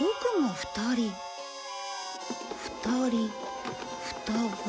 ２人双子。